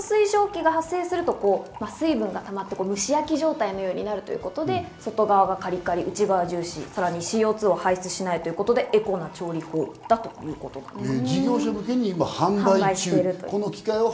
水蒸気が発生すると水分がたまって、蒸し焼き状態のようになるということで外側カリカリ、内側ジューシー、さらにＣＯ２を排出しない、エコな調理法ということです。